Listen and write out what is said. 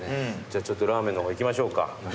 じゃあちょっとラーメンの方行きましょうか。